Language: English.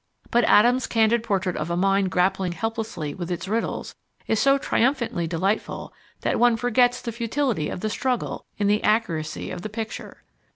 But Adams' candid portrait of a mind grappling helplessly with its riddles is so triumphantly delightful that one forgets the futility of the struggle in the accuracy of the picture.